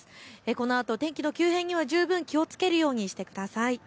このあと天気の急変には十分気をつけるようにしてください。